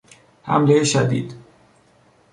حملهی شدید